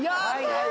はい！